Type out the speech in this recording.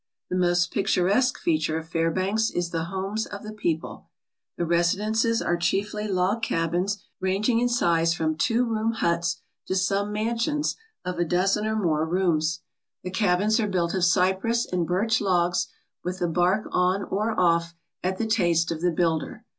The most picturesque feature of Fairbanks is the homes of the people. The residences are chiefly log cabins, ranging in size from two room huts to some mansions of a 141 ALASKA OUR NORTHERN WONDERLAND dozen or more rooms. The cabins are built of cypress and birch logs, with the bark on or off at the taste of the builder.